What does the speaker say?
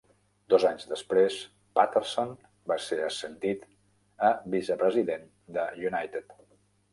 Dos anys després, Patterson va ser ascendit a vicepresident de United.